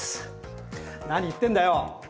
何言ってんだよ。